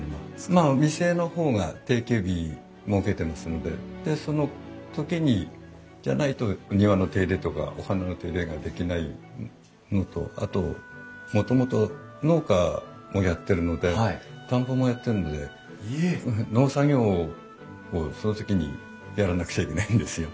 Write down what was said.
まあ店の方が定休日設けてますのででその時じゃないと庭の手入れとかお花の手入れができないのとあともともと農家もやってるので田んぼもやってるので農作業をその時にやらなくちゃいけないんですよ。